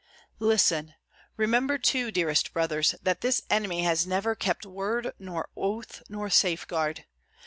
Listen; remember, too, dearest brothers, that this enemy has never kept word nor oath nor safeguard.